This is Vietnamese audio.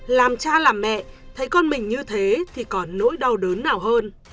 làm cha làm mẹ thấy con mình như thế thì còn nỗi đau đớn nào hơn